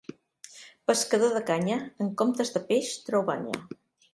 Pescador de canya en comptes de peix treu banya.